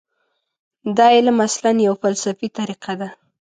دا علم اصلاً یوه فلسفي طریقه ده.